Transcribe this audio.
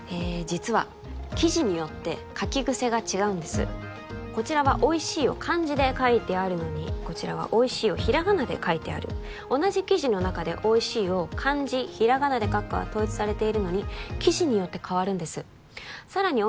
実は記事によって書き癖が違うんですこちらは「おいしい」を漢字で書いてあるのにこちらは「おいしい」をひらがなで書いてある同じ記事の中で「おいしい」を漢字・ひらがなで書くかは統一されているのに記事によって変わるんですさらに